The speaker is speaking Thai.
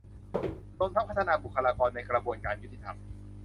รวมทั้งพัฒนาบุคลากรในกระบวนการยุติธรรม